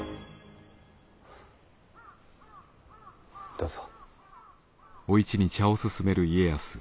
どうぞ。